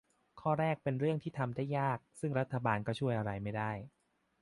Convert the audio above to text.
ข้อแรกเป็นเรื่องที่ทำได้ยาก ซึ่งรัฐบาลก็ช่วยอะไรไม่ได้